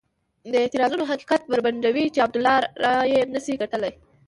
دا اعتراضونه حقیقت بربنډوي چې عبدالله رایې نه شي ګټلای.